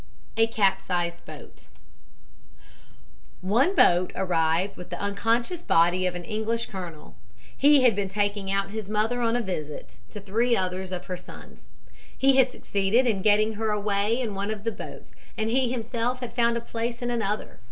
A CAPSIZED BOAT "One boat arrived with the unconscious body of an English colonel. He had been taking out his mother on a visit, to three others of her sons. He had succeeded in getting her away in one of the boats and he himself had found a place in another.